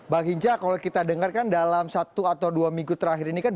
bang hinca kalau kita dengarkan dalam satu atau dua minggu terakhir ini kan